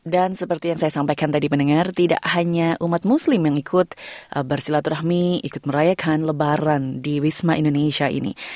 dan seperti yang saya sampaikan tadi pendengar tidak hanya umat muslim yang ikut bersilaturahmi ikut merayakan lebaran di wisma indonesia ini